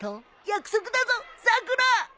約束だぞさくら！